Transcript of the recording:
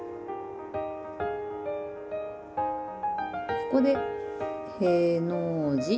ここで「への字」。